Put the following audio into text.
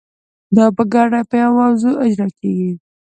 دا په ګډه په یوه موضوع اجرا کیږي.